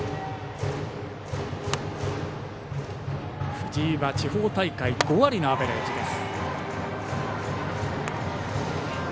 藤井は地方大会５割のアベレージです。